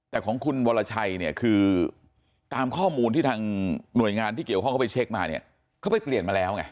แต่ของคุณวรชัยเนี่ยคือตามข้อมูลที่ทางหน่วยงานที่เกี่ยวข้องเขาไปเช็คมาเนี่ยเขาไปเปลี่ยนมาแล้วไง